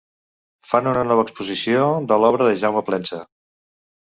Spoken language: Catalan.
Fan una nova exposició de l'obra de Jaume Plensa.